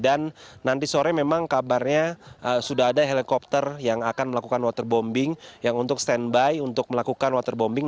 dan nanti sore memang kabarnya sudah ada helikopter yang akan melakukan waterbombing yang untuk standby untuk melakukan waterbombing